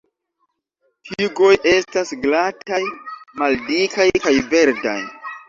Tigoj estas glataj, maldikaj kaj verdaj.